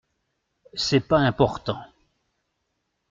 C’est pas important.